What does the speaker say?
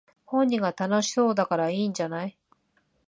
本人が楽しそうだからいいんじゃない